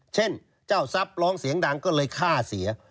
เช่นเจ้าทรัพย์ร้องเสียงดังก็เลยฆ่าเสีย